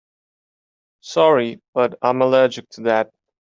Sorry but I'm allergic to that.